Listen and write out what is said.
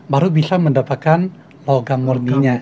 baru bisa mendapatkan logam murninya